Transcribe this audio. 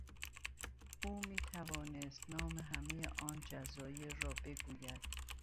او میتوانست نام همهی آن جزایر را بگوید.